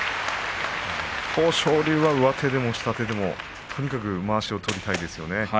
豊昇龍は上手でも下手でもとにかくまわしを取りたいですよね。